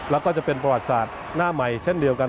แล้วก็จะเป็นประวัติศาสตร์หน้าใหม่เช่นเดียวกัน